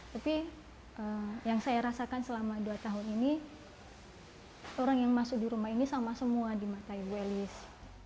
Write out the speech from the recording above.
tapi yang saya rasakan selama dua tahun ini orang yang masuk di rumah ini sama semua di mata ibu elis